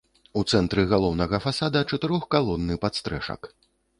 У цэнтры галоўнага фасада чатырох-калонны падстрэшак.